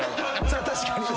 確かに。